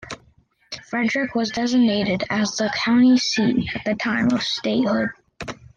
Frederick was designated as the county seat at the time of statehood.